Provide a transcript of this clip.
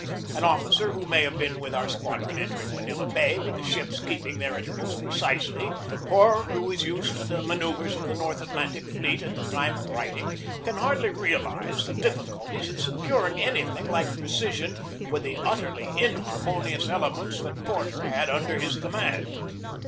An officer who may have been with our squadron enter ing Manila Bay, with the ships keeping their inter vals precisely, or who is used to the manoeuvres of the North Atlantic fleet at the time of writing, can hardly realize the difficulties of securing anything like precision with the utterly inharmonious elements that Porter had under his command.